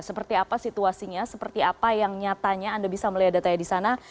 seperti apa situasinya seperti apa yang nyatanya anda bisa melihat datanya di sana